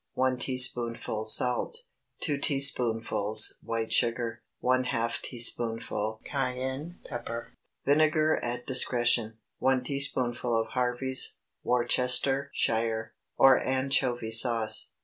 1 teaspoonful salt. 2 teaspoonfuls white sugar. ½ teaspoonful cayenne pepper. Vinegar at discretion. 1 teaspoonful of Harvey's, Worcestershire, or anchovy sauce.